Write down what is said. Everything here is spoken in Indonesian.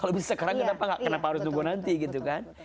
kalau bisa sekarang kenapa harus nunggu nanti gitu kan